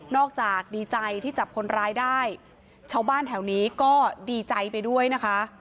จากดีใจที่จับคนร้ายได้ชาวบ้านแถวนี้ก็ดีใจไปด้วยนะคะ